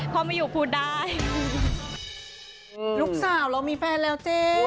พ่อไม่อยู่พูดได้ลูกสาวเรามีแฟนแล้วเจ๊